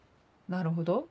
なるほど。